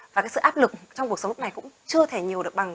và cái sự áp lực trong cuộc sống lúc này cũng chưa thể nhiều được bằng